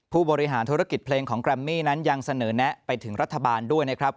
ผู้บริหารธุรกิจเพลงของแกรมมี่นั้นยังเสนอแนะไปถึงรัฐบาลด้วยนะครับ